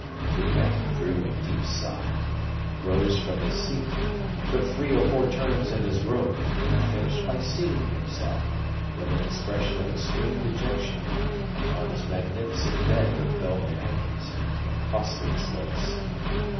Fouquet drew a deep sigh, rose from his seat, took three or four turns in his room, and finished by seating himself, with an expression of extreme dejection, upon his magnificent bed with velvet hangings, and costliest lace.